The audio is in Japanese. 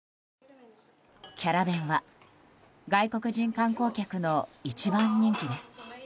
キャラ弁は外国人観光客の一番人気です。